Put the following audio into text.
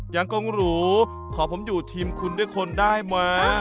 ยังคงหรูขอผมอยู่ทีมคุณด้วยคนได้ไหม